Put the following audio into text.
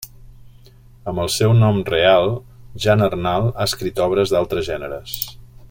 Amb el seu nom real, Jan Arnald ha escrit obres d'altres gèneres.